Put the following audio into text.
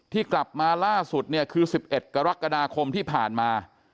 กลับมาล่าสุดเนี่ยคือ๑๑กรกฎาคมที่ผ่านมา